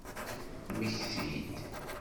Mmekti-d!